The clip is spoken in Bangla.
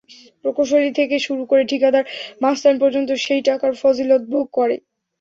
প্রকৌশলী থেকে শুরু করে ঠিকাদার-মাস্তান পর্যন্ত সেই টাকার ফজিলত ভোগ করে।